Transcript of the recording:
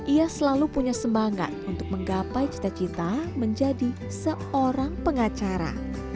ia selalu punya semangat untuk menggapai cita cita menjadi seorang pengacara